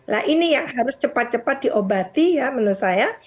nah ini yang harus cepat cepat diobati ya menurut saya